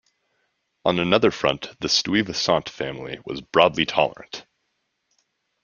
On another front, the Stuyvesant family was broadly tolerant.